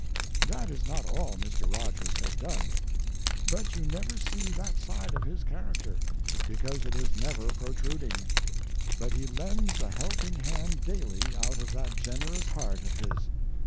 That is not all Mr. Rogers has done; but you never see that side of his character, because it is never protruding; but he lends a helping hand daily out of that generous heart of his.